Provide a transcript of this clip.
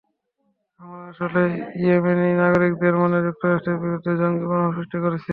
আমরা আসলে ইয়েমেনি নাগরিকদের মনে যুক্তরাষ্ট্রের বিরুদ্ধে জঙ্গি মনোভাব সৃষ্টি করছি।